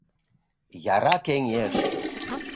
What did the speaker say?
Яра кеҥеж.